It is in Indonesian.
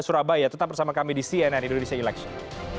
surabaya tetap bersama kami di cnn indonesia election